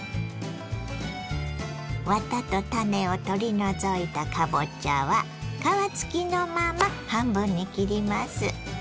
ワタと種を取り除いたかぼちゃは皮付きのまま半分に切ります。